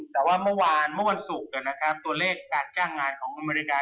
แต่ว่าเมื่อวานก่อนสุกเนี่ยนะครับตัวเลขการจ้างงานของอเมริกา